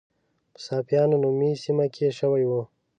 په صافیانو نومي سیمه کې شوې وه.